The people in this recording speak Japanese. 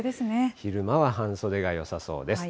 昼間は半袖がよさそうです。